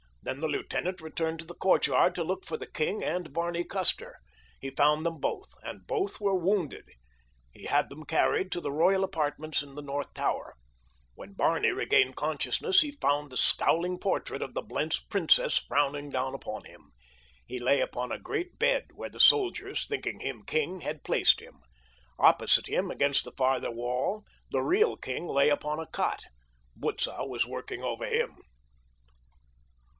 Then the lieutenant returned to the courtyard to look for the king and Barney Custer. He found them both, and both were wounded. He had them carried to the royal apartments in the north tower. When Barney regained consciousness he found the scowling portrait of the Blentz princess frowning down upon him. He lay upon a great bed where the soldiers, thinking him king, had placed him. Opposite him, against the farther wall, the real king lay upon a cot. Butzow was working over him.